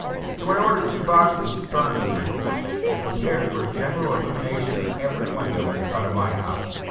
So I ordered two boxes of sperm candles, and prepared for a general illumination of every window in the front of my house.